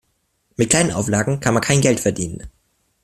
Mit kleinen Auflagen kann man kein Geld verdienen.